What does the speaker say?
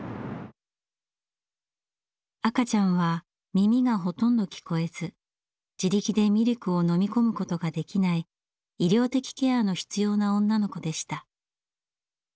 赤ちゃんは耳がほとんど聞こえず自力でミルクを飲み込むことができない医療的ケアの必要な女の子でした。